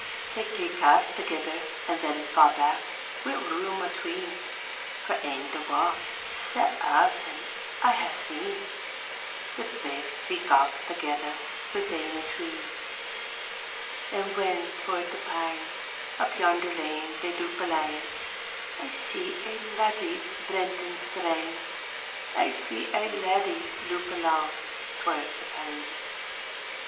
They cleek aff thegither, And then fa' back, wi' room atween For ane to walk ; sae af ten, I hae seen The baith cleek aff thegither Wi' ane atween t And when toward the pines Up yonder lane they loup alang I see ae laddie brent and Strang, I see ae laddie loup alang Toward the pines.